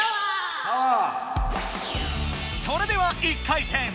それでは１回戦。